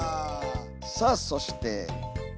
さあそして。